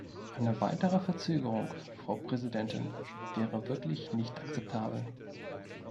Eine weitere Verzögerung, Frau Präsidentin, wäre wirklich nicht akzeptabel.